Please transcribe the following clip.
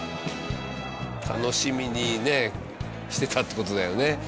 楽しみにねしてたって事だよね。